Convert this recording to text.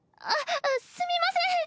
あっすみません。